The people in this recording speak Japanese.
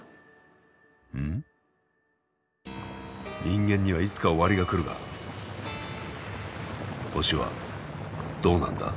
人間にはいつか終わりが来るが星はどうなんだ？